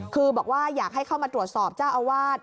คือบอกว่าอยากให้เข้ามาตรวจสอบเจ้าอาวาส